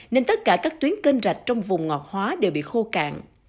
nên tất cả các tuyến kênh rạch trong vùng ngọt hóa đều bị khô cạn